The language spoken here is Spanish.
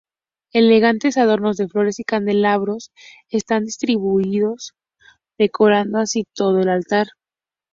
Elegantes adornos de flores y candelabros están distribuidos, decorando así todo el altar.